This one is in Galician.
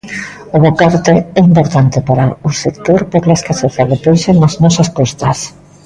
O bocarte é importante para o sector pola escaseza de peixe nas nosas costas.